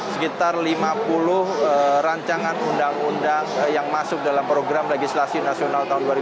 sekitar lima puluh rancangan undang undang yang masuk dalam program legislasi nasional tahun dua ribu dua puluh